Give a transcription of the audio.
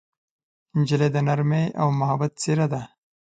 نجلۍ د نرمۍ او محبت څېره ده.